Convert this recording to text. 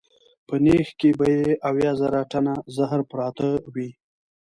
په نېښ کې به یې اویا زره ټنه زهر پراته وي.